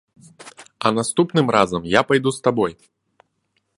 А наступным разам я пайду з табой!